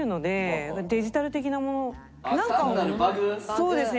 そうですね。